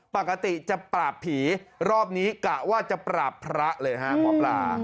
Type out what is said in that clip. ปกติจะปราบผีรอบนี้กะว่าจะปราบพระเลยฮะหมอปลา